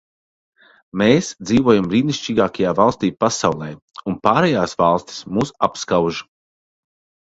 Mēs dzīvojam brīnišķīgākajā valstī pasaulē, un pārējās valstis mūs apskauž.